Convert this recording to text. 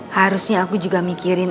harusnya aku juga mikirin